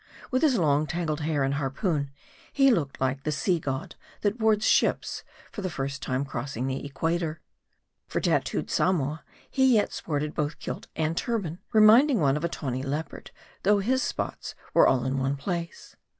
With his long tangled hair and harpoon, he looked like the sea god, that boards ships, for the first time crossing the Equator. For tatooed Samoa, he yet sported both kilt and turban, reminding one of a tawny leopard, though his spots were all in one place.